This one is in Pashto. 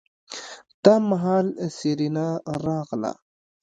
دا مهال سېرېنا راغله.